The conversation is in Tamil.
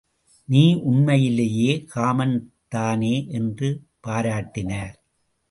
நீ உண்மையிலேயே காமன் தானே என்று பாராட்டினர்.